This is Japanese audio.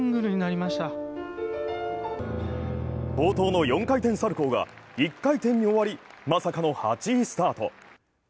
冒頭の４回転サルコウが１回転に終わり、まさかの８位スタート。